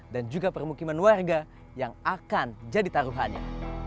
dan juga permukiman warga yang akan jadi taruhannya